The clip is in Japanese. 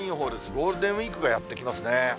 ゴールデンウィークがやって来ますね。